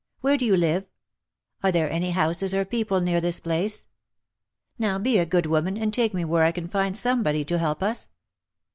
Where do you live ? Are there any houses or people near this place ? Now, be a good woman, and take me where I can find some body to help us."